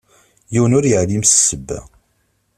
Yiwen ur yeεlim s ssebba.